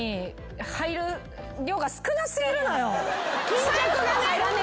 巾着がね。